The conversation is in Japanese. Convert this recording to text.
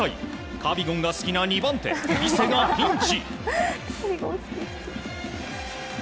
カビゴンが好きな２番手伊勢がピンチ。